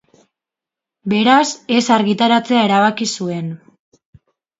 Beraz, ez argitaratzea erabaki zuen.